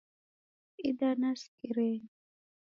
Idana sikirenyi